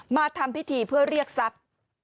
มาทำพิธีเพื่อเรียกทรัพย์